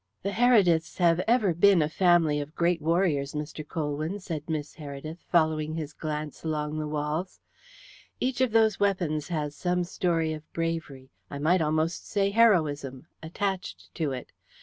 "The Herediths have ever been a family of great warriors, Mr. Colwyn," said Miss Heredith, following his glance along the walls. "Each of those weapons has some story of bravery, I might almost say heroism, attached to it.